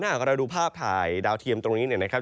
หากเราดูภาพถ่ายดาวเทียมตรงนี้เนี่ยนะครับ